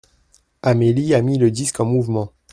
Amélie a mis le disque en mouvement.